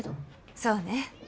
そうね。